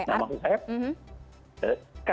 nah maksud saya